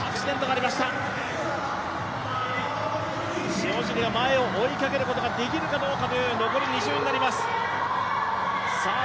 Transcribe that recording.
塩尻が前を追いかけることができるかどうかという残り２周になります。